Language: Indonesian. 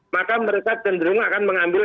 maka mereka cenderung akan mengambil